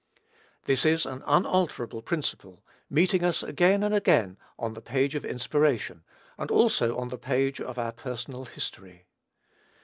This is an unalterable principle, meeting us again and again on the page of inspiration, and also on the page of our personal history.